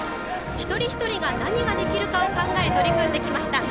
一人一人が何ができるかを考え取り組んできました。